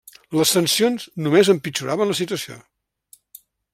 Les sancions només empitjoraven la situació.